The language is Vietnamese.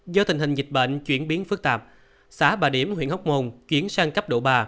do tình hình dịch bệnh chuyển biến phức tạp xã bà điểm huyện hóc môn chuyển sang cấp độ ba